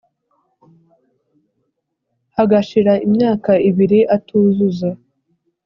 Hagashira imyaka ibiri atuzuza